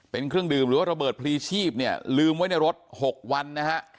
เป็นเครื่องดื่มหรือว่าระเบิดพลีชีพเนี่ยลืมไว้ในรถ๖วันนะฮะ